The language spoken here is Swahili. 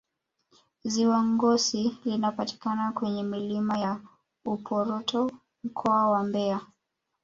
Ziwa Ngosi linapatikana kwenye milima ya Uporoto Mkoa wa Mbeya